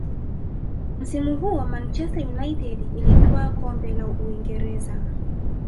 msimu huo manchester united ilitwaa kombe la uingereza